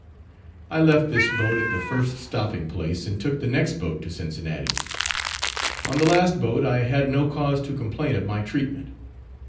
I left this boat at the first stopping place, and took the next boat to Cincinnati. On the last boat I had no cause to complain of my treatment.